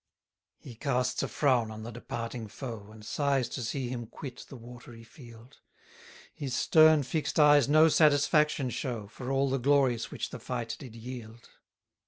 136 He casts a frown on the departing foe, And sighs to see him quit the watery field: His stern fix'd eyes no satisfaction show, For all the glories which the fight did yield.